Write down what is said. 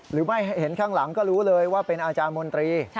หรือไม่เห็นข้างหลังก็รู้เลยว่าเป็นอาจารย์มนตรี